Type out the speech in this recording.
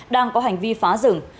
đang có hành vi phá rừng